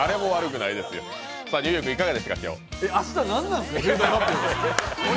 明日、何なんですか？